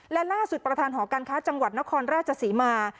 และล่าสุดประธานหอการค้าจังหวัดนครราชศรีมา